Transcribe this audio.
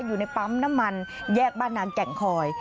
อยู่ในปั๊มน้ำมันแยกบ้านนางแก่งคอย